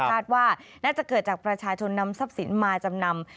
คาดว่าน่าจะเกิดจากประชาชนนำทรัพย์สินมาจำนำ